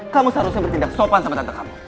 kamu seharusnya bertindak sopan sama tante kamu